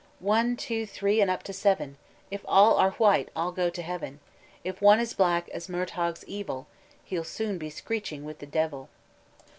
"One, two, three, and up to seven; If all are white, all go to heaven; If one is black as Murtagh's evil, He'll soon be screechin' wi' the devil."